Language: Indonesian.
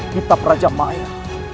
kita peranjak maaf